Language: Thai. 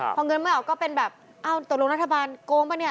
เพราะเงินไม่ออกก็เป็นแบบตกลงรัฐบาลโกงปะนี่